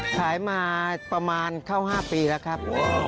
ขายมาประมาณเข้า๕ปีแล้วครับ